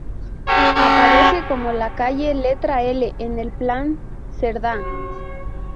Aparece como la calle letra L en el Plan Cerdá.